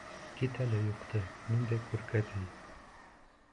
— Кит әле юҡты, ниндәй күркә ти.